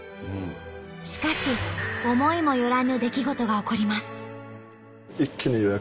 しかし思いもよらぬ出来事が起こります。